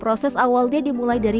proses awalnya dimulai dari